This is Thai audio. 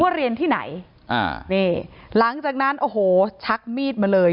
เรียนที่ไหนอ่านี่หลังจากนั้นโอ้โหชักมีดมาเลย